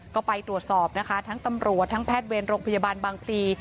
ก็ไปตรวจสอบนะคะทั้งตำรวจทั้งแพทย์เวรโรงพยาบาลบางพลี